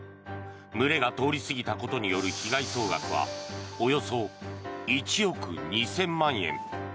群れが通り過ぎたことによる被害総額はおよそ１億２０００万円。